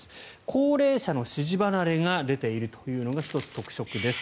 高齢者の支持離れが出ているというのが１つ特色です。